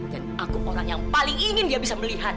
dan aku orang yang paling ingin dia bisa melihat